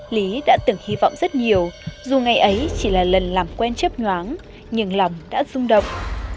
lý đã từng hy vọng rất nhiều dù ngày ấy chỉ là lần làm quen chấp nhoáng nhưng lòng đã rung động